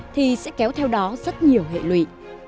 thì sẽ kéo theo đó rất nhiều hệ lụy